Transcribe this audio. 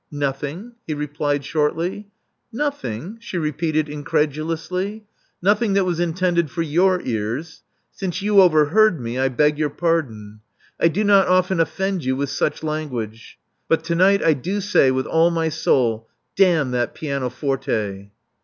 *' •'Nothing," he replied shortly. ''Nothing! she repeated incredulously. '* Nothing that was intended for your ears. Since you overheard me, I beg your pardon. I do not often offend you with such language ; but to night I do say with all my soul 'Damn that pianoforte.'